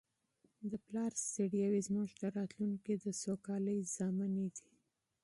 د پلار ستړیاوې زموږ د راتلونکي د سوکالۍ ضامنې دي.